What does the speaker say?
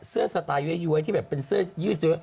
เสื้อสไตล์ยวยที่เป็นเป็นเสื้อยืดเยอะ